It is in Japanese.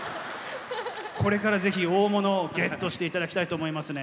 これから是非大物をゲットして頂きたいと思いますね。